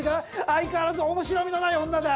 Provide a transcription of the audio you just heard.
相変わらず面白みのない女だ。